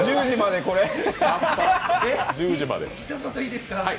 １０時までこれ？